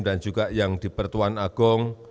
dan juga yang di pertuan agong